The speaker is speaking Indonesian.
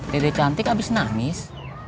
dede cantik abis nangis